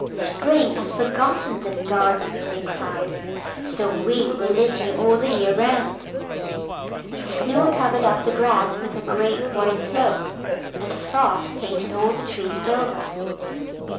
"Spring has forgotten this garden," they cried, "so we will live here all the year round." The Snow covered up the grass with her great white cloak, and the Frost painted all the trees silver.